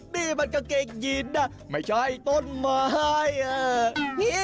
นี่มันกางเกงยีนนะไม่ใช่ต้นไม้อ่ะ